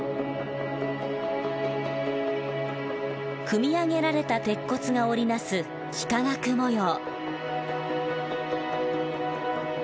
組み上げられた鉄骨が織り成す幾何学模様。